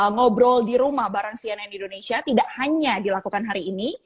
ngobrol di rumah bareng cnn indonesia tidak hanya dilakukan hari ini